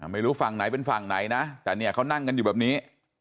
ไม่รู้ฟังไหนเป็นฟังไหนแต่เขานั่งกันอยู่แบบนี้